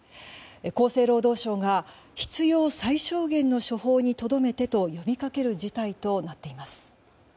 厚生労働省が必要最小限の処方にとどめてと呼びかける事態となっています。